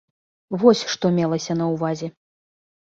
Вось што мелася на ўвазе.